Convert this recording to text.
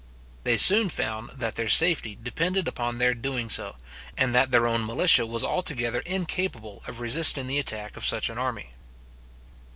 They soon found that their safety depended upon their doing so, and that their own militia was altogether incapable of resisting the attack of such an army.